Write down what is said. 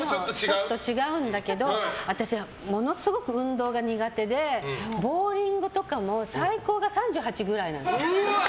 ちょっと違うんだけど私はものすごく運動が苦手でボウリングとかも最高が３８ぐらいなんですよ。